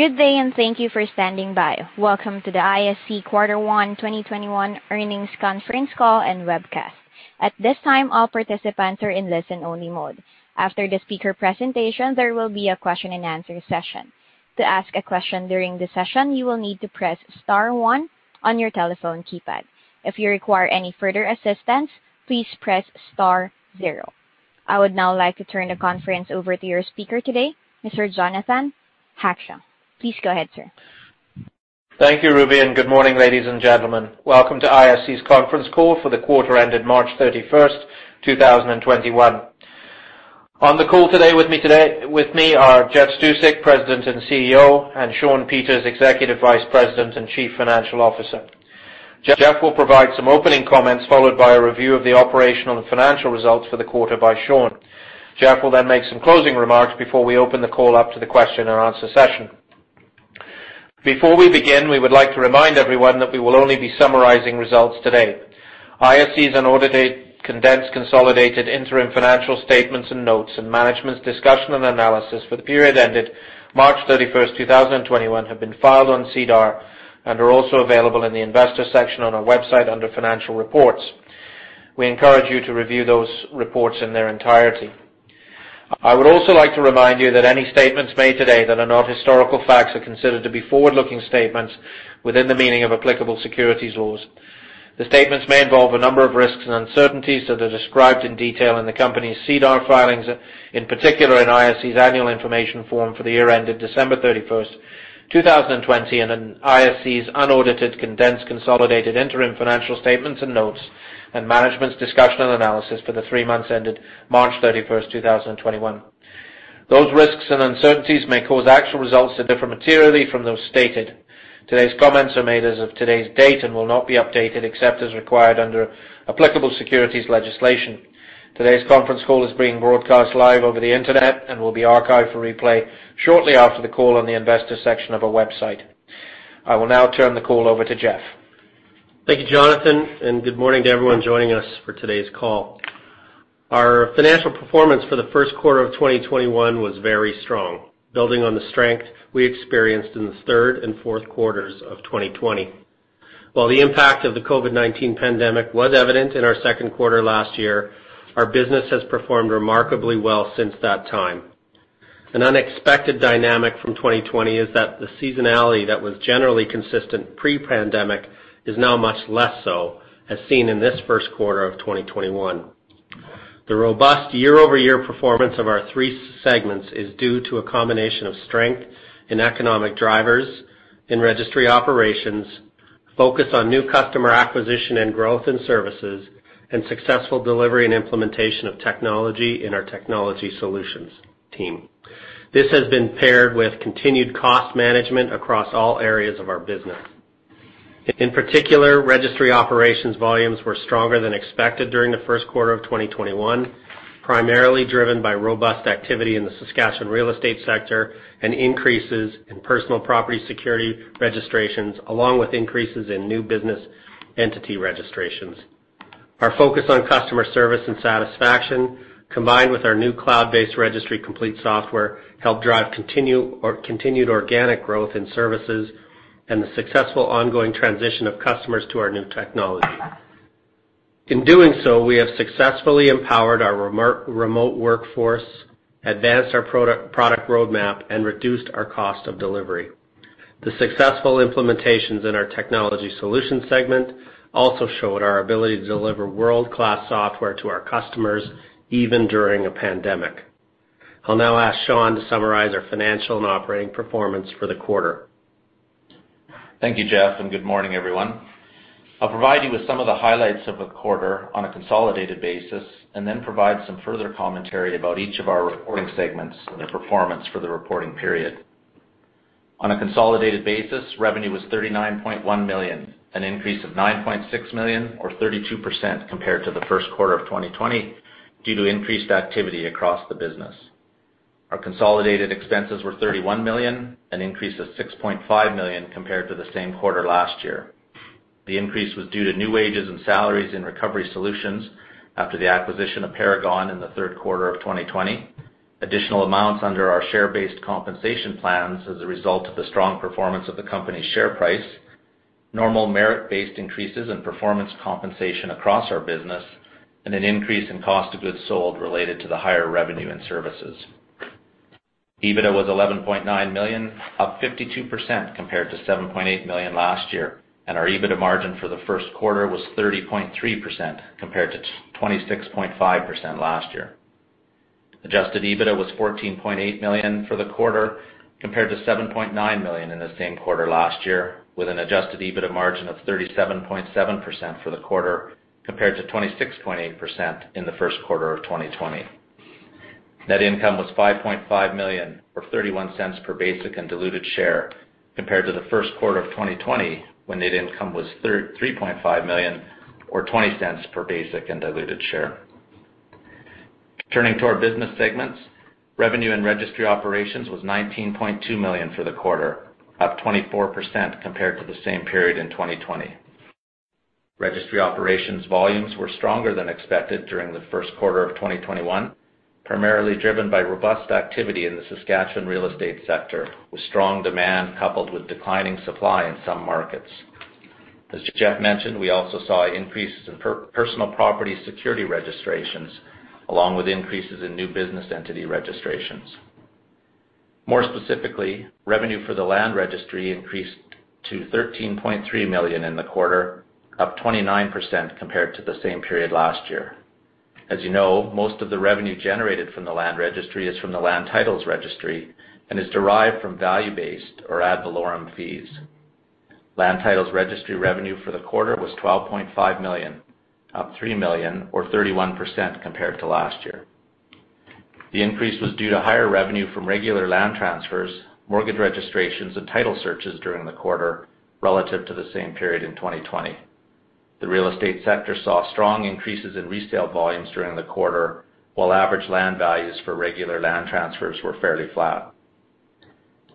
Good day, and thank you for standing by. Welcome to the ISC Quarter One 2021 Earnings Conference Call and Webcast. At this time, all participants are in listen-only mode. After the speaker presentation, there will be a question and answer session. To ask a question during the session, you will need to press star one on your telephone keypad. If you require any further assistance, please press star zero. I would now like to turn the conference over to your speaker today, Mr. Jonathan Hackshaw. Please go ahead, sir. Thank you, Ruby. Good morning, ladies and gentlemen. Welcome to ISC's conference call for the quarter ended March 31st, 2021. On the call today with me are Jeff Stusek, President and CEO, and Shawn Peters, Executive Vice President and Chief Financial Officer. Jeff will provide some opening comments followed by a review of the operational and financial results for the quarter by Shawn. Jeff will make some closing remarks before we open the call up to the question and answer session. Before we begin, we would like to remind everyone that we will only be summarizing results today. ISC's unaudited, condensed, consolidated interim financial statements and notes and management's discussion and analysis for the period ended March 31st, 2021, have been filed on SEDAR and are also available in the investor section on our website under financial reports. We encourage you to review those reports in their entirety. I would also like to remind you that any statements made today that are not historical facts are considered to be forward-looking statements within the meaning of applicable securities laws. The statements may involve a number of risks and uncertainties, as are described in detail in the company's SEDAR filings, in particular in ISC's annual information form for the year ended December 31st, 2020, and in ISC's unaudited condensed consolidated interim financial statements and notes and management's discussion and analysis for the three months ended March 31st, 2021. Those risks and uncertainties may cause actual results to differ materially from those stated. Today's comments are made as of today's date and will not be updated except as required under applicable securities legislation. Today's conference call is being broadcast live over the internet and will be archived for replay shortly after the call on the investor section of our website. I will now turn the call over to Jeff. Thank you, Jonathan, and good morning to everyone joining us for today's call. Our financial performance for the first quarter of 2021 was very strong, building on the strength we experienced in the third and fourth quarters of 2020. While the impact of the COVID-19 pandemic was evident in our second quarter last year, our business has performed remarkably well since that time. An unexpected dynamic from 2020 is that the seasonality that was generally consistent pre-pandemic is now much less so, as seen in this first quarter of 2021. The robust year-over-year performance of our three segments is due to a combination of strength in economic drivers in registry operations, focus on new customer acquisition and growth in services, and successful delivery and implementation of technology in our technology solutions team. This has been paired with continued cost management across all areas of our business. In particular, registry operations volumes were stronger than expected during the first quarter of 2021, primarily driven by robust activity in the Saskatchewan real estate sector and increases in personal property security registrations, along with increases in new business entity registrations. Our focus on customer service and satisfaction, combined with our new cloud-based Registry Complete software, helped drive continued organic growth in services and the successful ongoing transition of customers to our new technology. In doing so, we have successfully empowered our remote workforce, advanced our product roadmap, and reduced our cost of delivery. The successful implementations in our technology solutions segment also showed our ability to deliver world-class software to our customers, even during a pandemic. I'll now ask Shawn to summarize our financial and operating performance for the quarter. Thank you, Jeff, and good morning, everyone. I'll provide you with some of the highlights of the quarter on a consolidated basis and then provide some further commentary about each of our reporting segments and their performance for the reporting period. On a consolidated basis, revenue was 39.1 million, an increase of 9.6 million or 32% compared to the first quarter of 2020 due to increased activity across the business. Our consolidated expenses were 31 million, an increase of 6.5 million compared to the same quarter last year. The increase was due to new wages and salaries in recovery solutions after the acquisition of Paragon in the third quarter of 2020, additional amounts under our share-based compensation plans as a result of the strong performance of the company's share price, normal merit-based increases in performance compensation across our business, and an increase in cost of goods sold related to the higher revenue and services. EBITDA was 11.9 million, up 52% compared to 7.8 million last year. Our EBITDA margin for the first quarter was 30.3% compared to 26.5% last year. Adjusted EBITDA was 14.8 million for the quarter compared to 7.9 million in the same quarter last year, with an adjusted EBITDA margin of 37.7% for the quarter compared to 26.8% in the first quarter of 2020. Net income was 5.5 million or 0.31 per basic and diluted share compared to the first quarter of 2020 when net income was 3.5 million or 0.20 per basic and diluted share. Turning to our business segments, revenue and Registry operations was 19.2 million for the quarter, up 24% compared to the same period in 2020. Registry operations volumes were stronger than expected during the first quarter of 2021, primarily driven by robust activity in the Saskatchewan real estate sector, with strong demand coupled with declining supply in some markets. As Jeff mentioned, we also saw increases in personal property security registrations, along with increases in new business entity registrations. More specifically, revenue for the Land Registry increased to 13.3 million in the quarter, up 29% compared to the same period last year. As you know, most of the revenue generated from the Land Registry is from the Land Titles Registry and is derived from value-based or ad valorem fees. Land Titles Registry revenue for the quarter was 12.5 million, up 3 million or 31% compared to last year. The increase was due to higher revenue from regular land transfers, mortgage registrations and title searches during the quarter relative to the same period in 2020. The real estate sector saw strong increases in resale volumes during the quarter, while average land values for regular land transfers were fairly flat.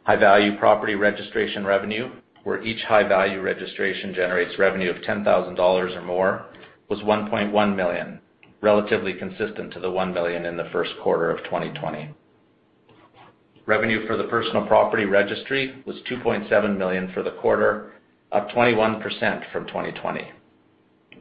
High-value property registration revenue, where each high-value registration generates revenue of 10,000 dollars or more, was 1.1 million, relatively consistent to the 1 million in the first quarter of 2020. Revenue for the Personal Property Registry was 2.7 million for the quarter, up 21% from 2020.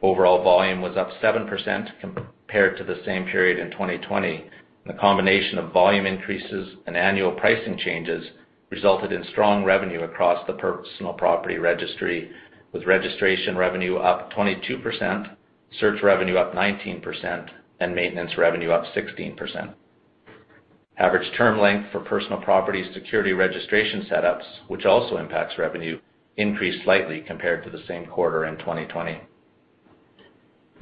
Overall volume was up 7% compared to the same period in 2020. The combination of volume increases and annual pricing changes resulted in strong revenue across the Personal Property Registry, with registration revenue up 22%, search revenue up 19%, and maintenance revenue up 16%. Average term length for personal property security registration setups, which also impacts revenue, increased slightly compared to the same quarter in 2020.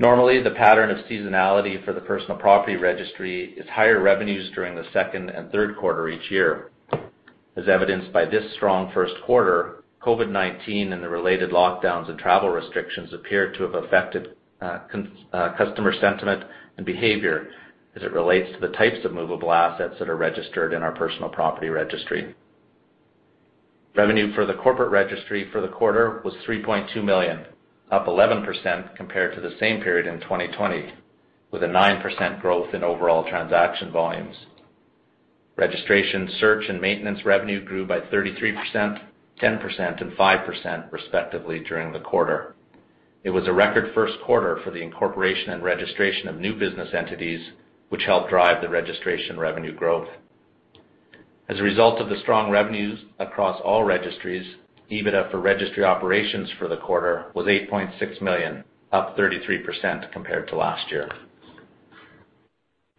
Normally, the pattern of seasonality for the Personal Property Registry is higher revenues during the second and third quarter each year. As evidenced by this strong first quarter, COVID-19 and the related lockdowns and travel restrictions appear to have affected customer sentiment and behavior as it relates to the types of movable assets that are registered in our Personal Property Registry. Revenue for the Corporate Registry for the quarter was 3.2 million, up 11% compared to the same period in 2020, with a 9% growth in overall transaction volumes. Registration search and maintenance revenue grew by 33%, 10% and 5% respectively during the quarter. It was a record first quarter for the incorporation and registration of new business entities, which helped drive the registration revenue growth. As a result of the strong revenues across all registries, EBITDA for registry operations for the quarter was 8.6 million, up 33% compared to last year.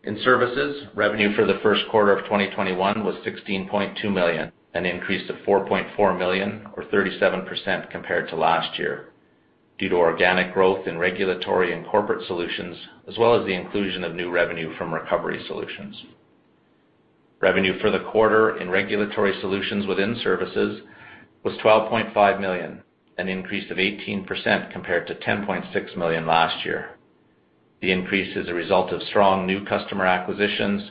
In services, revenue for the first quarter of 2021 was 16.2 million, an increase of 4.4 million or 37% compared to last year, due to organic growth in regulatory and corporate solutions, as well as the inclusion of new revenue from recovery solutions. Revenue for the quarter in regulatory solutions within services was 12.5 million, an increase of 18% compared to 10.6 million last year. The increase is a result of strong new customer acquisitions,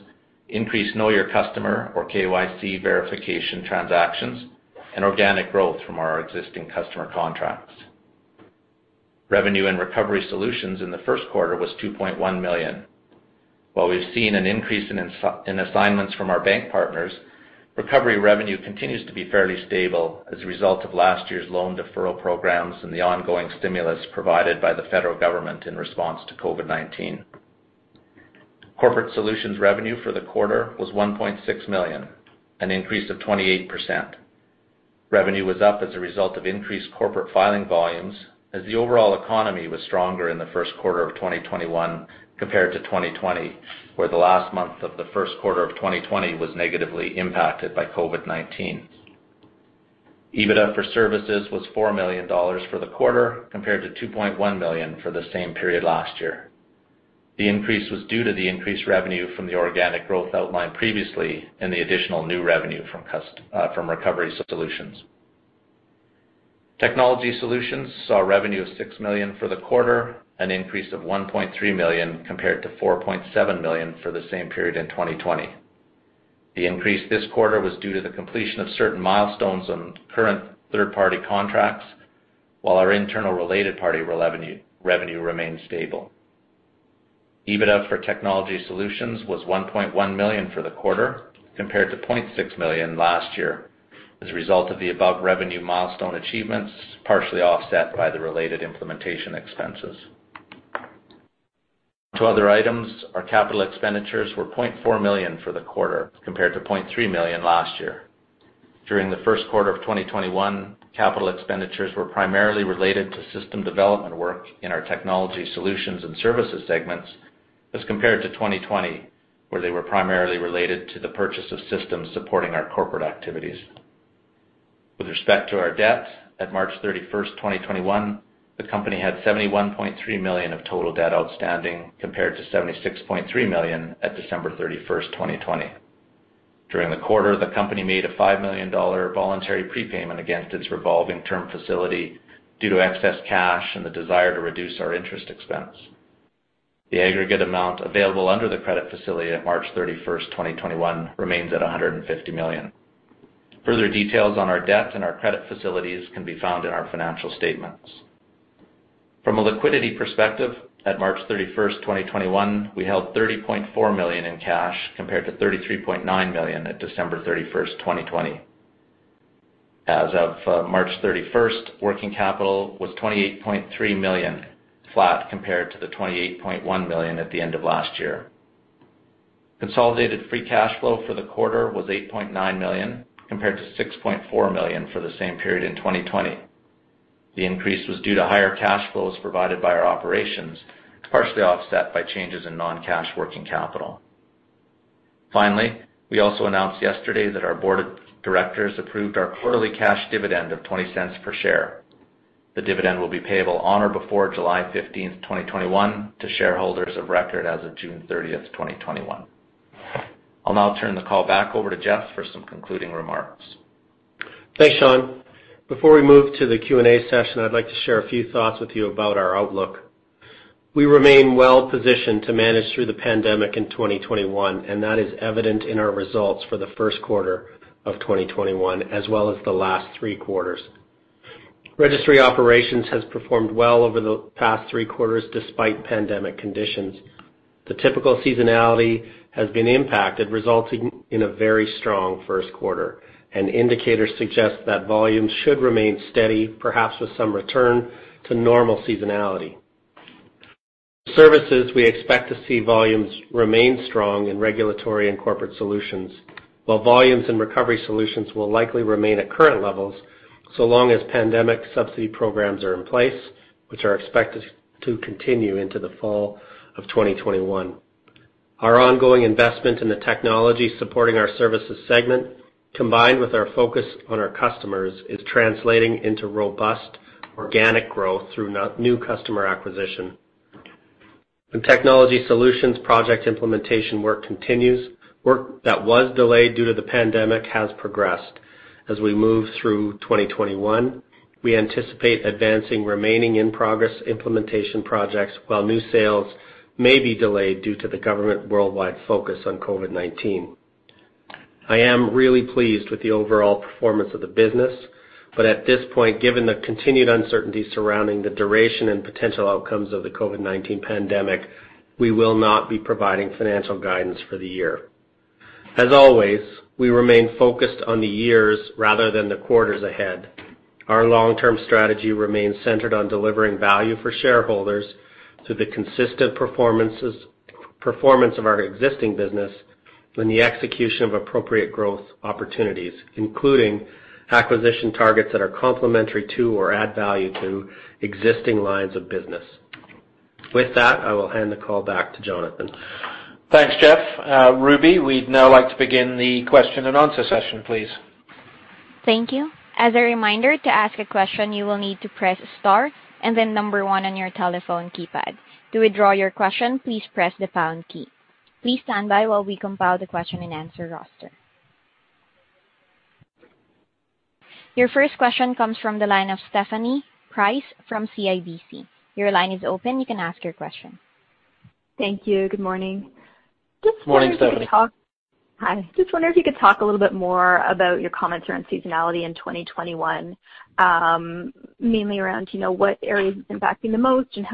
increased Know Your Customer or KYC verification transactions, and organic growth from our existing customer contracts. Revenue and recovery solutions in the first quarter was 2.1 million. While we've seen an increase in assignments from our bank partners, recovery revenue continues to be fairly stable as a result of last year's loan deferral programs and the ongoing stimulus provided by the federal government in response to COVID-19. Corporate solutions revenue for the quarter was 1.6 million, an increase of 28%. Revenue was up as a result of increased corporate filing volumes as the overall economy was stronger in the first quarter of 2021 compared to 2020, where the last month of the first quarter of 2020 was negatively impacted by COVID-19. EBITDA for services was 4 million dollars for the quarter, compared to 2.1 million for the same period last year. The increase was due to the increased revenue from the organic growth outlined previously and the additional new revenue from recovery solutions. Technology solutions saw revenue of 6 million for the quarter, an increase of 1.3 million compared to 4.7 million for the same period in 2020. The increase this quarter was due to the completion of certain milestones on current third-party contracts, while our internal related party revenue remained stable. EBITDA for technology solutions was 1.1 million for the quarter, compared to 0.6 million last year, as a result of the above revenue milestone achievements, partially offset by the related implementation expenses. To other items, our capital expenditures were CAD 0.4 million for the quarter, compared to CAD 0.3 million last year. During the first quarter of 2021, capital expenditures were primarily related to system development work in our technology solutions and services segments, as compared to 2020, where they were primarily related to the purchase of systems supporting our corporate activities. With respect to our debt, at March 31st, 2021, the company had 71.3 million of total debt outstanding, compared to 76.3 million at December 31st, 2020. During the quarter, the company made a 5 million dollar voluntary prepayment against its revolving term facility due to excess cash and the desire to reduce our interest expense. The aggregate amount available under the credit facility at March 31st, 2021, remains at 150 million. Further details on our debt and our credit facilities can be found in our financial statements. From a liquidity perspective, at March 31st, 2021, we held 30.4 million in cash compared to 33.9 million at December 31st, 2020. As of March 31st, working capital was 28.3 million, flat compared to the 28.1 million at the end of last year. Consolidated free cash flow for the quarter was 8.9 million, compared to 6.4 million for the same period in 2020. The increase was due to higher cash flows provided by our operations, partially offset by changes in non-cash working capital. Finally, we also announced yesterday that our board of directors approved our quarterly cash dividend of 0.20 per share. The dividend will be payable on or before July 15th, 2021, to shareholders of record as of June 30th, 2021. I'll now turn the call back over to Jeff for some concluding remarks. Thanks, Shawn. Before we move to the Q&A session, I'd like to share a few thoughts with you about our outlook. We remain well-positioned to manage through the pandemic in 2021. That is evident in our results for the first quarter of 2021 as well as the last three quarters. Registry operations has performed well over the past three quarters, despite pandemic conditions. The typical seasonality has been impacted, resulting in a very strong first quarter. Indicators suggest that volumes should remain steady, perhaps with some return to normal seasonality. Services, we expect to see volumes remain strong in regulatory and corporate solutions while volumes in recovery solutions will likely remain at current levels so long as pandemic subsidy programs are in place, which are expected to continue into the fall of 2021. Our ongoing investment in the technology supporting our services segment, combined with our focus on our customers, is translating into robust organic growth through new customer acquisition. In technology solutions, project implementation work continues. Work that was delayed due to the pandemic has progressed. As we move through 2021, we anticipate advancing remaining in-progress implementation projects while new sales may be delayed due to the government worldwide focus on COVID-19. I am really pleased with the overall performance of the business. At this point, given the continued uncertainty surrounding the duration and potential outcomes of the COVID-19 pandemic, we will not be providing financial guidance for the year. As always, we remain focused on the years rather than the quarters ahead. Our long-term strategy remains centered on delivering value for shareholders through the consistent performance of our existing business and the execution of appropriate growth opportunities, including acquisition targets that are complementary to or add value to existing lines of business. With that, I will hand the call back to Jonathan. Thanks, Jeff. Ruby, we'd now like to begin the question and answer session, please. Thank you. As a reminder, to ask a question, you will need to press star and then number one on your telephone keypad. To withdraw your question, please press the pound key. Please stand by while we compile the question and answer roster. Your first question comes from the line of Stephanie Price from CIBC. Your line is open. You can ask your question. Thank you. Good morning. Morning, Stephanie. Hi. Just wondering if you could talk a little bit more about your comments around seasonality in 2021, mainly around what areas it's impacting the most and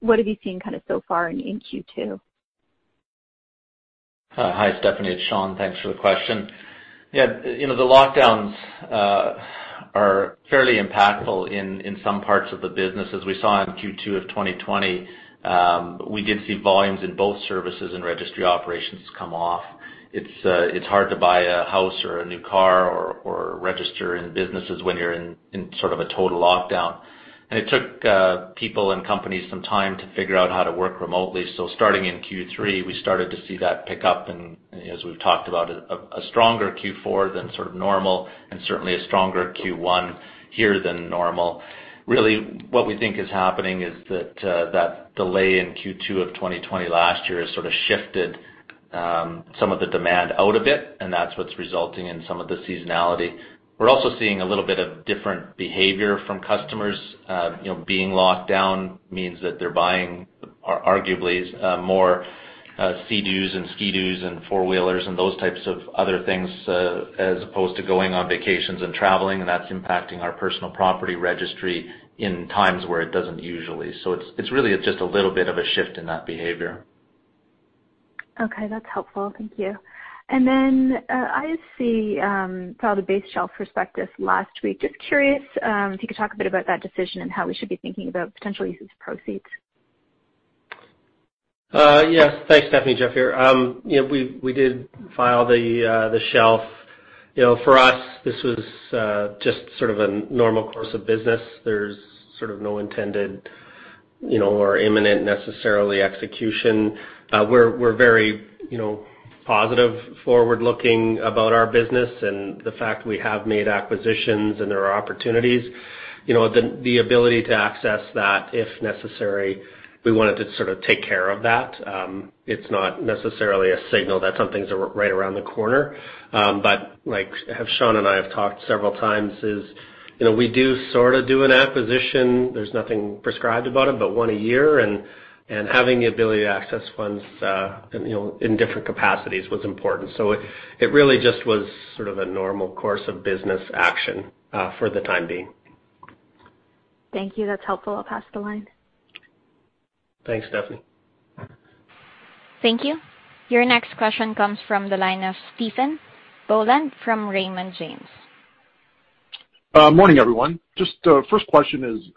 what have you seen so far in Q2? Hi, Stephanie. It's Shawn. Thanks for the question. Yeah. The lockdowns are fairly impactful in some parts of the business. As we saw in Q2 of 2020, we did see volumes in both services and registry operations come off. It's hard to buy a house or a new car or register in businesses when you're in a total lockdown. It took people and companies some time to figure out how to work remotely. Starting in Q3, we started to see that pick up and as we've talked about, a stronger Q4 than normal and certainly a stronger Q1 here than normal. What we think is happening is that delay in Q2 of 2020 last year has shifted some of the demand out a bit, and that's what's resulting in some of the seasonality. We're also seeing a little bit of different behavior from customers. Being locked down means that they're buying arguably more Sea-Doo and Ski-Doo and four-wheelers and those types of other things as opposed to going on vacations and traveling, and that's impacting our personal property registry in times where it doesn't usually. It's really just a little bit of a shift in that behavior. Okay. That is helpful. Thank you. I see filed a base shelf prospectus last week. Just curious if you could talk a bit about that decision and how we should be thinking about potential uses of proceeds? Yes. Thanks, Stephanie. Jeff here. We did file the shelf. For us, this was just a normal course of business. There's no intended or imminent necessarily execution. We're very positive, forward-looking about our business and the fact we have made acquisitions and there are opportunities. The ability to access that, if necessary, we wanted to take care of that. It's not necessarily a signal that something's right around the corner. Like Shawn and I have talked several times is, we do sort of do an acquisition. There's nothing prescribed about it, but one a year. Having the ability to access funds in different capacities was important. It really just was a normal course of business action for the time being. Thank you. That's helpful. I'll pass the line. Thanks, Stephanie. Thank you. Your next question comes from the line of Stephen Boland from Raymond James. Morning, everyone. Just first question is,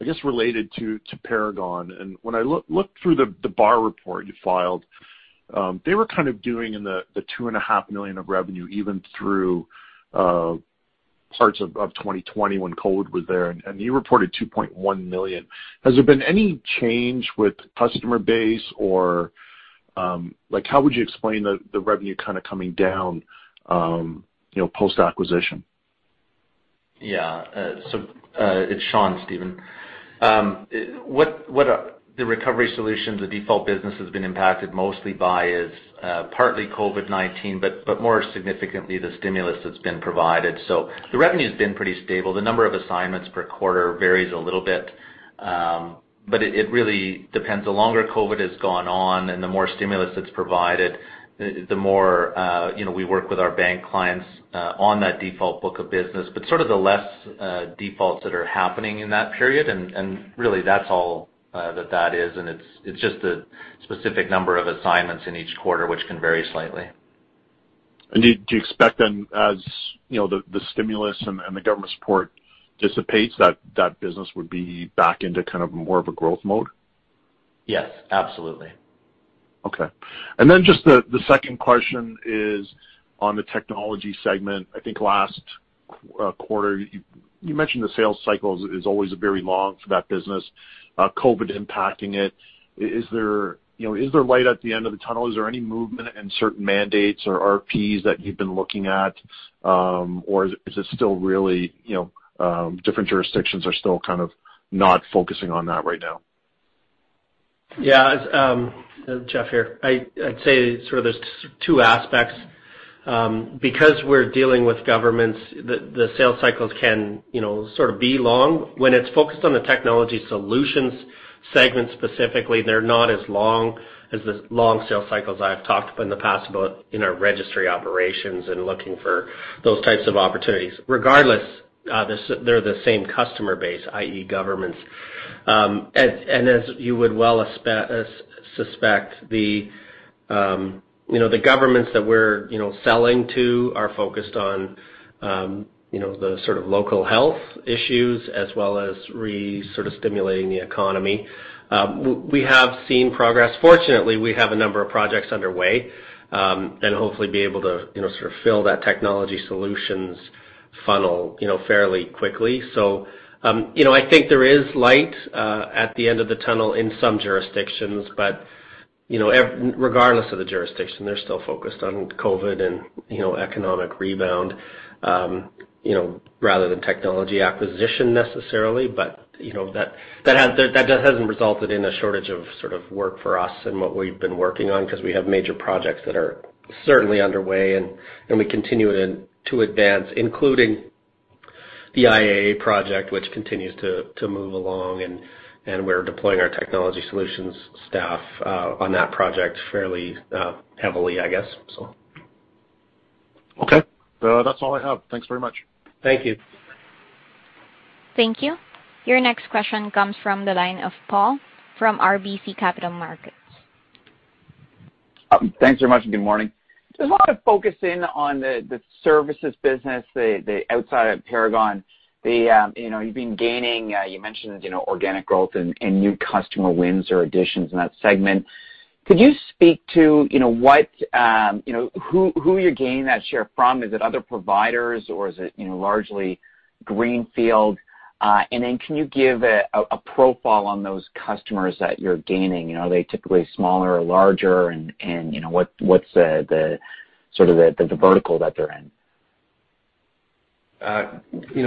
I guess, related to Paragon. When I looked through the BAR report you filed, they were kind of doing in the 2.5 million of revenue even through parts of 2020 when COVID-19 was there, and you reported 2.1 million. Has there been any change with customer base, or how would you explain the revenue kind of coming down post-acquisition? Yeah. It's Shawn, Stephen. What the recovery solution the default business has been impacted mostly by is partly COVID-19, but more significantly the stimulus that's been provided. The revenue's been pretty stable. The number of assignments per quarter varies a little bit. It really depends. The longer COVID has gone on and the more stimulus that's provided, the more we work with our bank clients on that default book of business. Sort of the less defaults that are happening in that period, and really that's all that that is, and it's just a specific number of assignments in each quarter, which can vary slightly. Do you expect then as the stimulus and the government support dissipates, that that business would be back into kind of more of a growth mode? Yes, absolutely. Okay. Just the second question is on the technology segment. I think last quarter, you mentioned the sales cycle is always very long for that business, COVID impacting it. Is there light at the end of the tunnel? Is there any movement in certain mandates or RFPs that you've been looking at? Is it still really different jurisdictions are still kind of not focusing on that right now? Yeah. It's Jeff here. I'd say sort of there's two aspects. Because we're dealing with governments, the sales cycles can sort of be long. When it's focused on the technology solutions segment specifically, they're not as long as the long sales cycles I've talked about in the past about in our registry operations and looking for those types of opportunities. Regardless, they're the same customer base, i.e., governments. As you would well suspect, the governments that we're selling to are focused on the sort of local health issues as well as re-sort of stimulating the economy. We have seen progress. Fortunately, we have a number of projects underway, and hopefully be able to sort of fill that technology solutions funnel fairly quickly. I think there is light at the end of the tunnel in some jurisdictions, but regardless of the jurisdiction, they're still focused on COVID and economic rebound, rather than technology acquisition necessarily. That hasn't resulted in a shortage of sort of work for us and what we've been working on because we have major projects that are certainly underway and we continue to advance, including the IAA project, which continues to move along, and we're deploying our technology solutions staff on that project fairly heavily, I guess, so. Okay. That's all I have. Thanks very much. Thank you. Thank you. Your next question comes from the line of Paul from RBC Capital Markets. Thanks very much, and good morning. There's a lot of focus in on the services business, outside of Paragon. You've been gaining, you mentioned organic growth and new customer wins or additions in that segment. Could you speak to who you're gaining that share from? Is it other providers or is it largely greenfield? Can you give a profile on those customers that you're gaining? Are they typically smaller or larger? What's the sort of the vertical that they're in?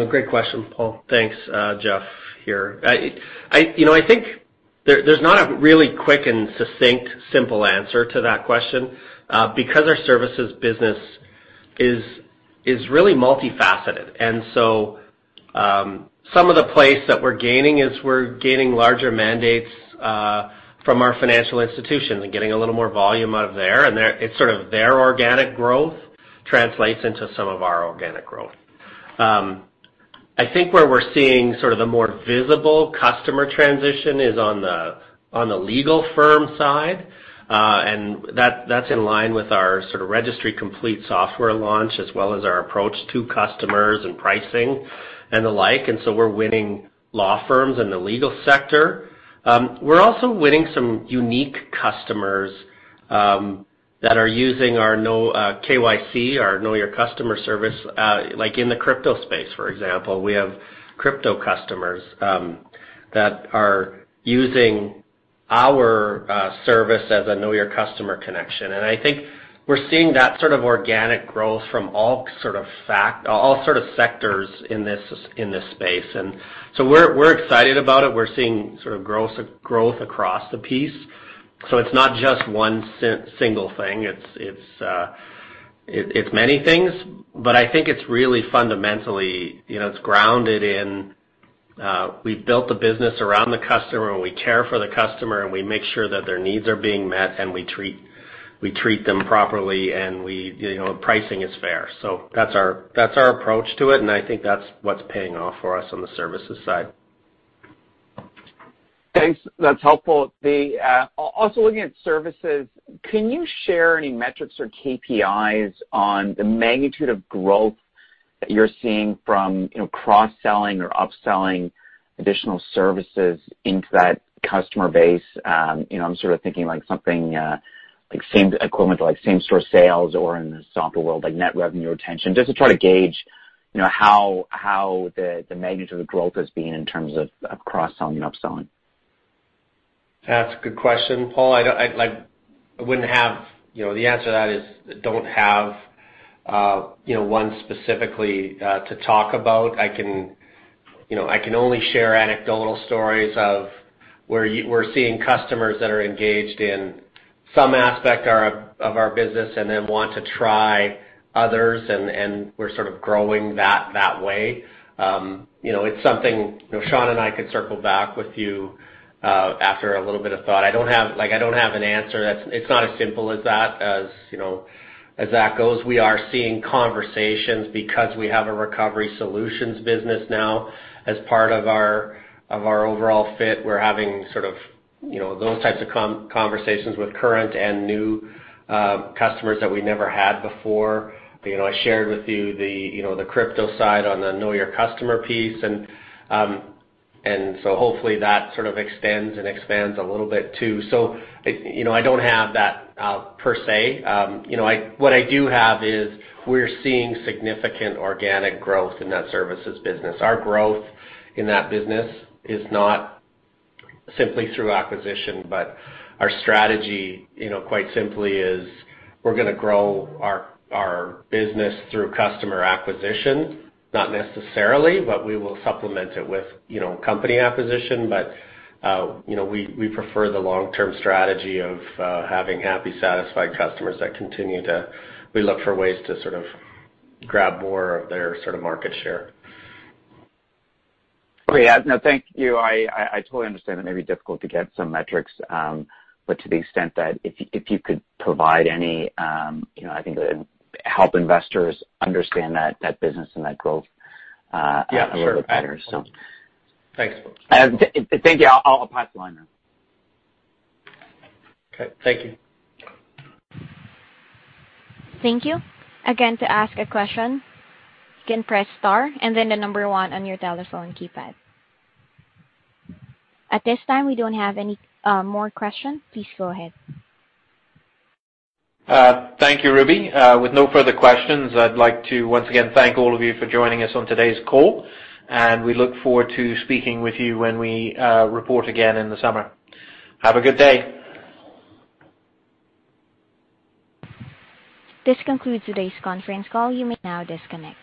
Great question, Paul. Thanks. Jeff here. I think there's not a really quick and succinct, simple answer to that question because our services business is really multifaceted. Some of the place that we're gaining is we're gaining larger mandates from our financial institutions and getting a little more volume out of there, and it's sort of their organic growth translates into some of our organic growth. I think where we're seeing sort of the more visible customer transition is on the legal firm side. That's in line with our sort of Registry Complete software launch as well as our approach to customers and pricing and the like. We're winning law firms in the legal sector. We're also winning some unique customers that are using our KYC, our Know Your Customer service, like in the crypto space, for example. We have crypto customers that are using our service as a Know Your Customer connection. I think we're seeing that sort of organic growth from all sort of sectors in this space. We're excited about it. We're seeing sort of growth across the piece. It's not just one single thing. It's many things. I think it's really fundamentally, it's grounded in we've built the business around the customer, and we care for the customer, and we make sure that their needs are being met, and we treat them properly, and pricing is fair. That's our approach to it, and I think that's what's paying off for us on the services side. Thanks. That's helpful. Also looking at services, can you share any metrics or KPIs on the magnitude of growth that you're seeing from cross-selling or upselling additional services into that customer base? I'm sort of thinking something equivalent to same-store sales or in the software world, like net revenue retention, just to try to gauge how the magnitude of growth has been in terms of cross-selling and upselling. That's a good question, Paul. The answer to that is, I don't have one specifically to talk about. I can only share anecdotal stories of where we're seeing customers that are engaged in some aspect of our business and then want to try others, and we're sort of growing that way. It's something Shawn and I could circle back with you after a little bit of thought. I don't have an answer. It's not as simple as that, as that goes. We are seeing conversations because we have a recovery solutions business now as part of our overall fit. We're having those types of conversations with current and new customers that we never had before. I shared with you the crypto side on the Know Your Customer piece. Hopefully that sort of extends and expands a little bit, too. I don't have that per se. What I do have is we're seeing significant organic growth in that services business. Our growth in that business is not simply through acquisition, our strategy quite simply is we're going to grow our business through customer acquisition, not necessarily, but we will supplement it with company acquisition. We prefer the long-term strategy of having happy, satisfied customers. We look for ways to sort of grab more of their market share. Yeah. No, thank you. I totally understand that may be difficult to get some metrics, to the extent that if you could provide any, I think it would help investors understand that business and that growth. Yeah, sure. A little bit better. Thanks, Paul. Thank you. I'll pass the line then. Okay. Thank you. Thank you. Again, to ask a question, you can press star and then the number one on your telephone keypad. At this time, we don't have any more questions. Please go ahead. Thank you, Ruby. With no further questions, I'd like to once again thank all of you for joining us on today's call. We look forward to speaking with you when we report again in the summer. Have a good day. This concludes today's conference call. You may now disconnect.